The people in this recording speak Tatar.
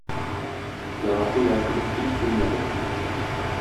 Ярату ялкыным һич сүнмәде